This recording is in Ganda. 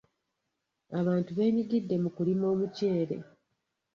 Abantu beenyigidde mu kulima omuceere.